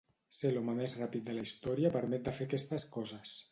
Ser l’home més ràpid de la història permet de fer aquestes coses.